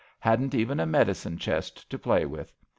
Hadn't even a medicine chest to play with.